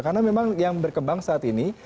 karena memang yang berkembang saat ini